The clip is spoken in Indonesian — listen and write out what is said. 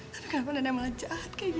tapi kenapa nenek malah jahat kayak gini